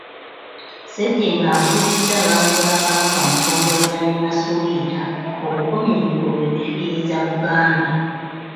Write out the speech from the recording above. Ssejjengo akubirizza Abaami ba Kabaka mu ggombolola y’e Masuuliita okukomya ebikolwa ebifiiriza Buganda.